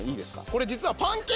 これ実は。